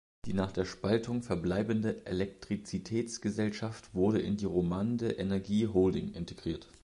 Die nach der Spaltung verbleibende Elektrizitätsgesellschaft wurde in die Romande Energie Holding integriert.